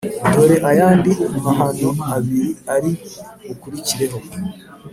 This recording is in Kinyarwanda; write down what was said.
dore ayandi mahano abiri ari bukurikireho.